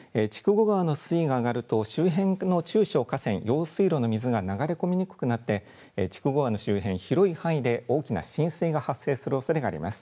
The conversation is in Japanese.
筑後川の水位が上がると周辺の中小河川、用水路の水が流れ込みにくくなって筑後川の周辺広い範囲で大きな浸水が発生するおそれがあります。